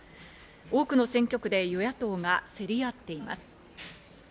多くの選挙区で与野党が競り合っています。